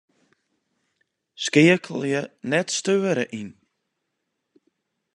Skeakelje 'net steure' yn.